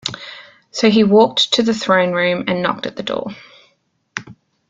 So he walked to the Throne Room and knocked at the door.